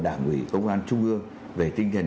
đảng ủy công an trung ương về tinh thần